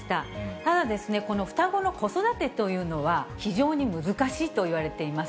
ただ、この双子の子育てというのは、非常に難しいといわれています。